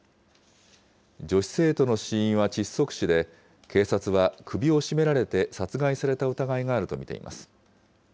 女子生徒の死因は窒息死で、警察は首を絞められて殺害された疑いがあると見ています。